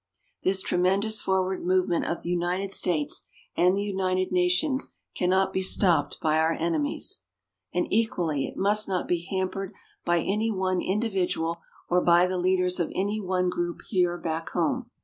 This tremendous forward movement of the United States and the United Nations cannot be stopped by our enemies. And equally, it must not be hampered by any one individual or by the leaders of any one group here back home.